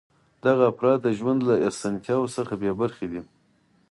دغه افراد د ژوند له اسانتیاوو څخه بې برخې دي.